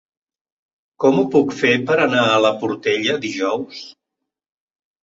Com ho puc fer per anar a la Portella dijous?